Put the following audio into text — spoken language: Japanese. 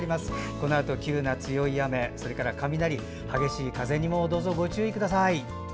このあと急な強い雨それから雷、激しい風にもどうぞご注意ください。